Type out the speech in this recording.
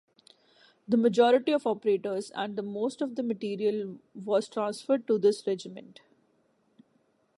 The majority of operators and most of the material was transferred to this regiment.